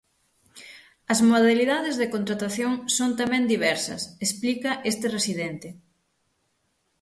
As modalidades de contratación son tamén diversas, explica este residente.